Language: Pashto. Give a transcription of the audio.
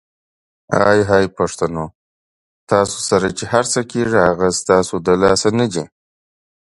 آی های پښتنو ! تاسو سره چې هرڅه کیږي هغه ستاسو د لاسه ندي؟!